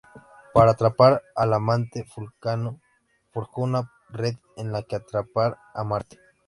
Para atrapar al amante, Vulcano forjó una red en la que atrapar a Marte.